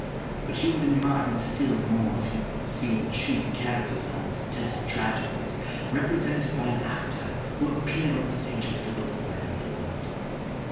But you would admire him still more if you could see the chief characters in all his test tragedies represented by an actor who appeared on the stage a little before I left the world.